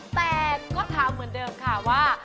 แต่ก็ถามเหมือนเดิมค่ะว่า